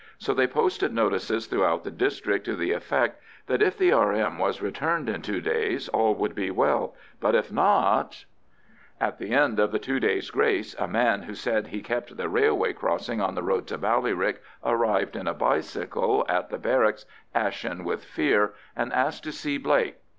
So they posted notices throughout the district to the effect that, if the R.M. was returned in two days all would be well, but if not—— At the end of the two days' grace a man, who said he kept the railway crossing on the road to Ballyrick, arrived on a bicycle at the barracks ashen with fear, and asked to see Blake.